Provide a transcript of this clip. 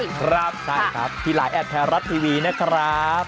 ครับใช่ครับที่ไลน์แอดไทยรัฐทีวีนะครับ